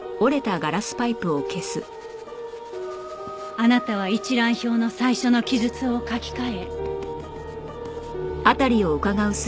あなたは一覧表の最初の記述を書き換え。